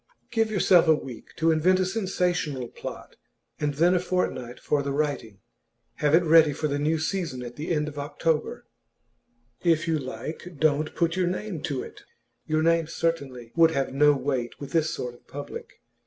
Give yourself a week to invent a sensational plot, and then a fortnight for the writing. Have it ready for the new season at the end of October. If you like, don't put your name to it; your name certainly would have no weight with this sort of public.